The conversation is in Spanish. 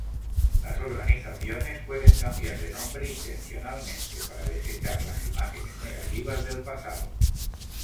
Las organizaciones pueden cambiar de nombre intencionalmente para desechar las imágenes negativas del pasado.